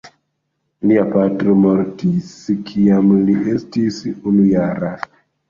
Lia patro mortis kiam li estis unujara.